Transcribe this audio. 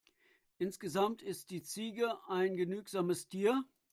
Insgesamt ist die Ziege ein genügsames Tier.